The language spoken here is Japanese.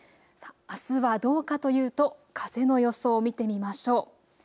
あすはどうかというと風の予想を見てみましょう。